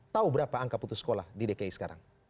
tahu berapa angka putus sekolah di dki sekarang